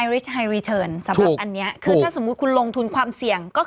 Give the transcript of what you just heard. อึกอึกอึกอึกอึกอึกอึกอึกอึก